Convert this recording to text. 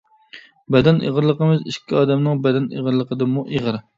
بەدەن ئېغىرلىقىمىز ئىككى ئادەمنىڭ بەدەن ئېغىرلىقىدىنمۇ ئېغىر!